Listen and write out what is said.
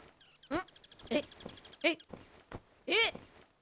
ん。